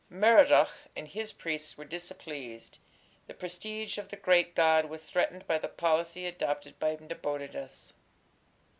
Merodach and his priests were displeased: the prestige of the great god was threatened by the policy adopted by Nabonidus.